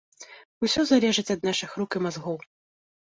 Усё залежыць ад нашых рук і мазгоў.